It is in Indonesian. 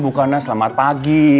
bukannya selamat pagi